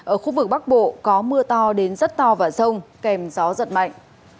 ở khu vực bắc bộ có mưa to đến rất to và rông kèm gió giật mạnh